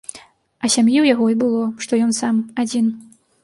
А сям'і ў яго і было, што ён сам, адзін.